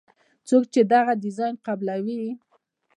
څوک چې دغه ډیزاین قبلوي.